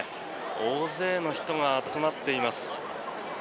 大勢の人が集まっています。